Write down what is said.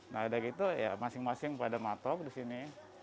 nah udah gitu ya masing masing pada matok di sini